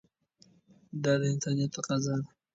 دا د انسانیت تقاضا ده.